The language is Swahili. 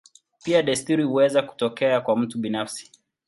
Pia desturi huweza kutokea kwa mtu binafsi.